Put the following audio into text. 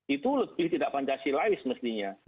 itu lebih tidak pancasilais mestinya